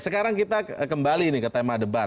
sekarang kita kembali nih ke tema debat